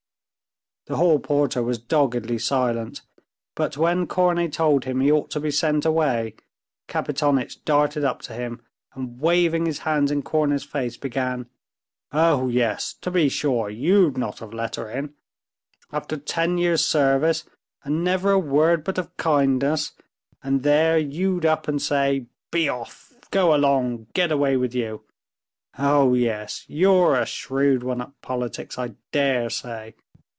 The hall porter was doggedly silent, but when Korney told him he ought to be sent away, Kapitonitch darted up to him, and waving his hands in Korney's face, began: "Oh yes, to be sure you'd not have let her in! After ten years' service, and never a word but of kindness, and there you'd up and say, 'Be off, go along, get away with you!' Oh yes, you're a shrewd one at politics, I dare say!